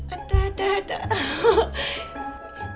atau atau atau